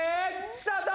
スタート。